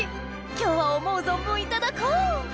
今日は思う存分いただこう！